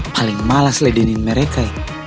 paling malas ledenin mereka ya